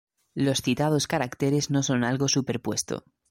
Los citados caracteres no son algo superpuesto.